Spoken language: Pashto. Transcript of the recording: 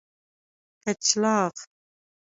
کچلاغ